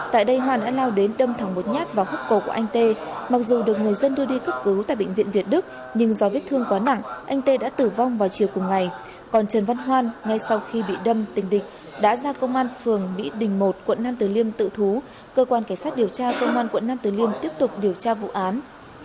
tại đây hoan đã lao đến đâm thẳng một nhát vào khúc cổ của anh tê mặc dù được người dân đưa đi cấp cứu tại bệnh viện việt đức nhưng do vết thương quá nặng anh tê đã tử vong vào chiều cùng ngày còn trần văn hoan ngay sau khi bị đâm tình địch đã ra công an phường mỹ đình một quận nam từ liêm tự thú cơ quan cảnh sát điều tra công an quận nam từ liêm tiếp tục điều tra vụ án